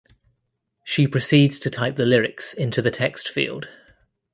She proceeds to type the lyrics into the text field.